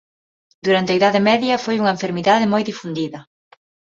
Durante a Idade Media foi unha enfermidade moi difundida.